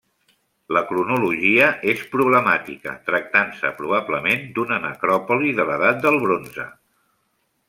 La cronologia és problemàtica, tractant-se probablement d'una necròpoli de l'Edat del Bronze.